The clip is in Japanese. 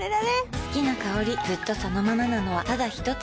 好きな香りずっとそのままなのはただひとつ